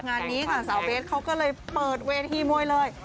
งานนี้ค่ะสาวเบสเขาก็เลยเปิดเวทีมวยเลย